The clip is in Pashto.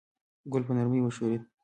ګل په نرمۍ وښورېد.